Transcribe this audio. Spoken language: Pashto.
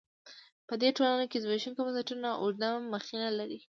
په دې ټولنو کې زبېښونکي بنسټونه اوږده مخینه لري.